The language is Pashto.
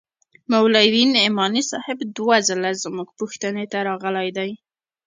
مولوي نعماني صاحب دوه ځله زموږ پوښتنې ته راغلى دى.